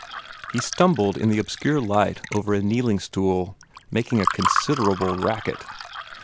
He stumbled in the obscure light over a kneeling bench, making a considerable racket.